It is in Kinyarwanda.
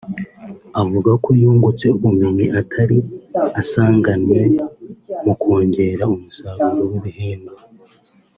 avuga ko yungutse ubumenyi atari asanganywe mu kongera umusaruro w’ibihingwa